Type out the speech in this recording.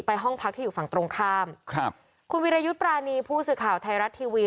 ห้องพักที่อยู่ฝั่งตรงข้ามครับคุณวิรยุทธ์ปรานีผู้สื่อข่าวไทยรัฐทีวี